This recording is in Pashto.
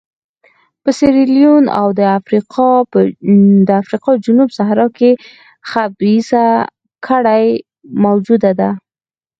په سیریلیون او د افریقا جنوب صحرا کې خبیثه کړۍ موجوده ده.